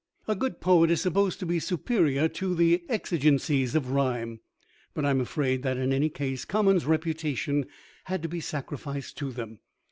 A good poet is supposed to be superior to the exigencies of rhyme, but I am afraid that in any case Common's reputation had to be sacrificed to them.